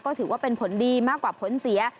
ก็ถือว่าเป็นผลดีมากกว่าผลเสีย